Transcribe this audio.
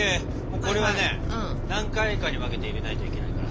これはね何回かに分けて入れないといけないから。